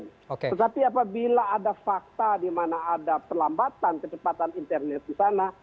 tetapi apabila ada fakta di mana ada perlambatan kecepatan internet di sana